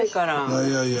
いやいやいや。